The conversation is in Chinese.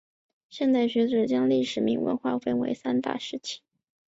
现代学者将历代铭文划分为三个大时期。